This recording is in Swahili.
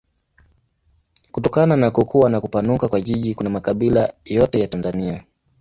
Kutokana na kukua na kupanuka kwa jiji kuna makabila yote ya Tanzania.